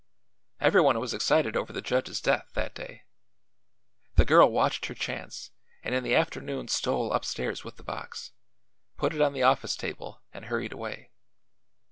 Everyone was excited over the judge's death, that day. The girl watched her chance and in the afternoon stole upstairs with the box, put it on the office table and hurried away.